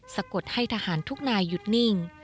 สะกดให้ทหารทุกนายหยุดนิ่ง